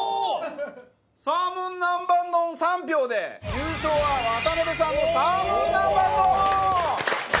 サーモン南蛮丼３票で優勝は渡邊さんのサーモン南蛮丼！